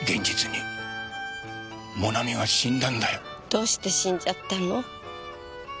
どうして死んじゃったの？